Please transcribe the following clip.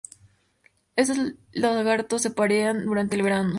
Estos lagarto se aparean durante el verano.